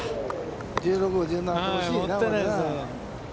１６、１７と、惜しいな。